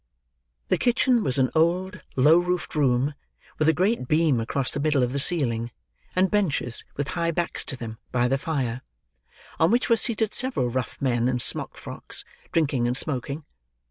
The kitchen was an old, low roofed room; with a great beam across the middle of the ceiling, and benches, with high backs to them, by the fire; on which were seated several rough men in smock frocks, drinking and smoking.